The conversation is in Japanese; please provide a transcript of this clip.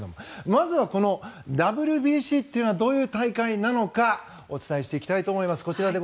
まずは、このＷＢＣとはどういう大会なのかお伝えしていきたいと思います。